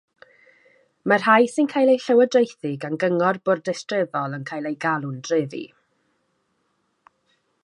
Mae'r rhai sy'n cael eu llywodraethu gan gyngor bwrdeistrefol yn cael eu galw'n drefi.